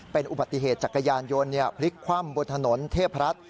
เป็นอุบัติเหตุจักรยานยนต์พลิกคว่ำบนถนนเทพรัฐ